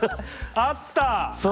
あった。